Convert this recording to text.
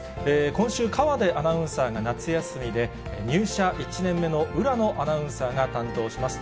今週、河出アナウンサーが夏休みで、入社１年目の浦野アナウンサーが担当します。